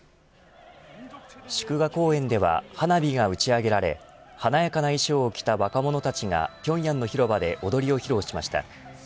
祝賀公演では花火が打ち上げられ華やかな衣装を着た若者たちが平壌の広場で踊りを披露しました。